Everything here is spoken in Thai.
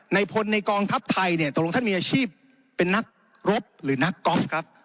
ในพลในกองทัพไทยเนี่ยตกลงท่านมีอาชีพเป็นนักรบหรือนักกอล์ฟครับ